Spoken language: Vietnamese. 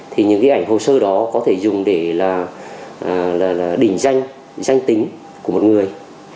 thì những ảnh hồ sơ đó có thể dùng để đình danh danh tính của một người